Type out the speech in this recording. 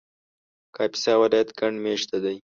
کاپیسا ولایت ګڼ مېشته دی